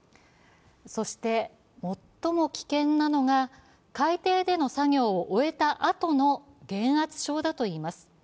そして、最も危険なのが海底での作業を終えたあとの減圧症だといいます。